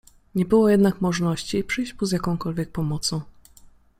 Nie było jednak możności przyjść mu z jakąkolwiek pomocą.